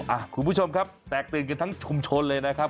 คุณผู้ชมครับแตกตื่นกันทั้งชุมชนเลยนะครับ